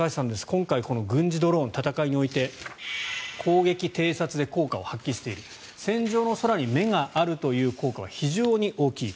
今回、この軍事ドローン戦いにおいて攻撃・偵察で効果を発揮している戦場の空に目があるという効果は非常に大きい。